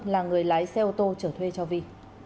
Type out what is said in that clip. là người lái xe ô tô trở thuê cho vi